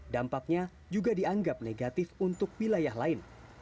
dampaknya juga dianggap negatif untuk wilayah lain